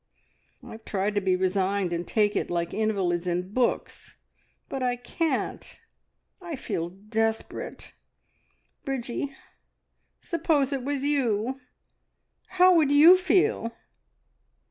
I've tried to be resigned and take it like invalids in books, but I can't! I feel desperate. Bridgie, suppose it was you! How would you feel?"